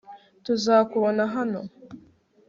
tuzakubona hano